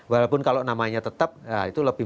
walaupun kalau namanya tetap itu lebih